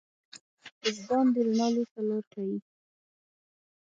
وجدان د رڼا لور ته لار ښيي.